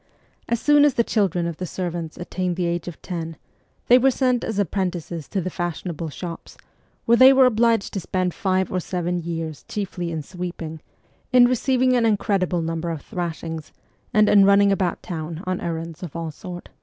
As soon as the children of the servants attained the age of ten, they were sent as apprentices to the fashionable shops, where they were obliged to spend five or seven years chiefly in sweeping, in receiving an incredible number of thrashings, and in running about town on errands of all sort.